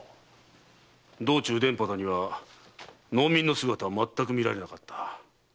道中田畑には農民の姿はまったく見られなかった。